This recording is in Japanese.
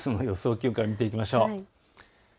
気温から見ていきましょう。